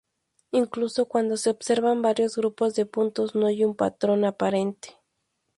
Incluso cuando se observan varios grupos de puntos, no hay un patrón aparente.